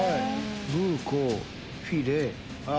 ブーコフィレあ。